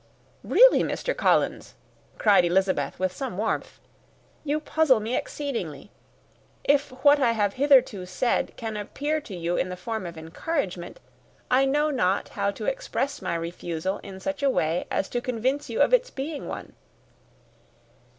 "Really, Mr. Collins," cried Elizabeth, with some warmth, "you puzzle me exceedingly. If what I have hitherto said can appear to you in the form of encouragement, I know not how to express my refusal in such a way as may convince you of its being one."